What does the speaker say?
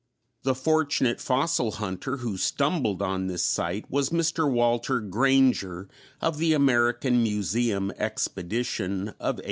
The fortunate fossil hunter who stumbled on this site was Mr. Walter Granger of the American Museum expedition of 1897.